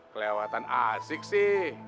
kelewatan asik sih